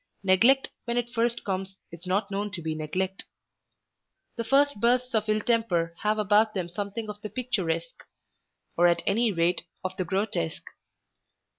Neglect when it first comes is not known to be neglect. The first bursts of ill temper have about them something of the picturesque, or at any rate of the grotesque.